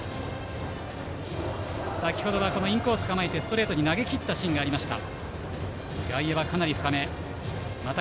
先程はインコースに構えてストレートを投げきったシーンがあった。